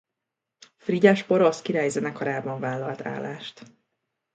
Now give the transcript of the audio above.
Frigyes porosz király zenekarában vállalt állást.